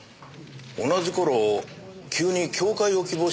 同じ頃急に教誨を希望しましたね。